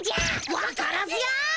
わからず屋！